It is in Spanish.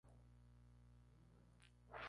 Es originario de África y de la India.